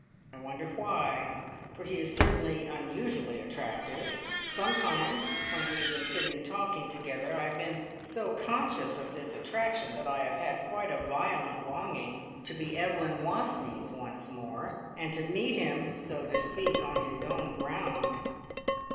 I wonder why, for he is certainly unusually attractive. Sometimes when we have been sitting talking together, I have been so conscious of this attraction that I have had quite a violent longing to be Evelyn Wastneys once more, and to meet him, so to speak, on his own ground!